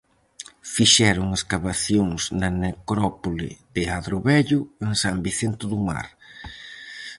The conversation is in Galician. Fixeron escavacións na necrópole de Adro Vello en San Vicente do Mar.